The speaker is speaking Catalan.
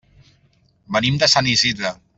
Venim de Sant Isidre.